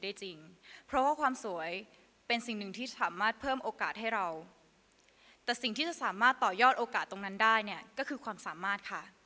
จริงเพราะว่าความสวยเป็นสิ่งหนึ่งที่สามารถเพิ่มโอกาสให้เราแต่สิ่งที่จะสามารถต่อยอดโอกาสตรงนั้นได้เนี่ยก็คือความสามารถค่ะ